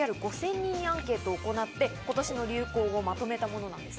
人にアンケートを行って今年の流行語をまとめたものなんです。